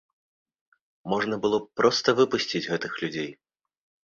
Можна было б проста выпусціць гэтых людзей.